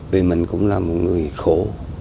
vì mình cũng là một người khổ